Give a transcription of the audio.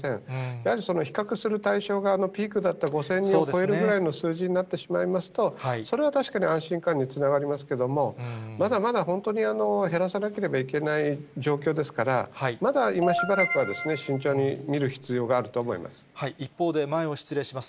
やはり比較する対象が、ピークだった５０００人を超えるぐらいの数字になってしまいますと、それは確かに安心感につながりますけども、まだまだ本当に減らさなければいけない状況ですから、まだ今しばらくは、一方で、前を失礼します。